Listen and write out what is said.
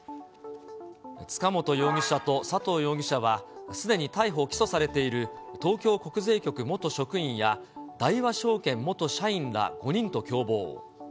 塚本容疑者と佐藤容疑者は、すでに逮捕・起訴されている東京国税局元職員や、大和証券元社員ら５人と共謀。